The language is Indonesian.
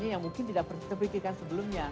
yang mungkin tidak terpikirkan sebelumnya